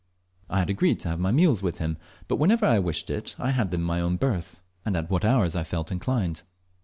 I had agreed to have my meals with him, but whenever I wished it I had them in my own berth, and at what hours I felt inclined.